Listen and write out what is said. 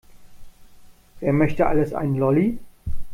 Wer möchte alles einen Lolli?